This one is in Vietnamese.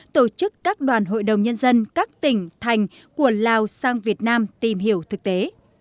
tổ chức các đoàn hội đồng nhân dân các tỉnh thành của lào sang việt nam tìm hiểu thực tế